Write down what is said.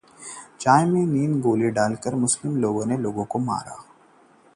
चाय में नींद की गोली डालकर विवाहिता के साथ दुष्कर्म